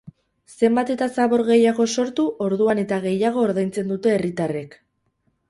Zenbat eta zabor gehiago sortu orduan eta gehiago ordaintzen dute herritarrek.